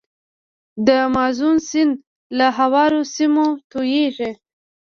د مازون سیند له هوارو سیمو تویږي.